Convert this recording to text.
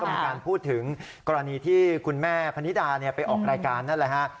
มีการพูดถึงกรณีที่คุณแม่พนิดาไปออกรายการนั่นแหละฮะ